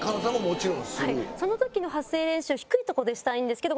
その時の発声練習低いところでしたいんですけど。